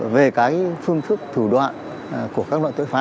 về cái phương thức thủ đoạn của các loại tội phạm